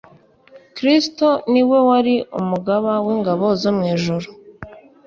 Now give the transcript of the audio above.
Kristo ni we wari umugaba w’ingabo zo mw’ijuru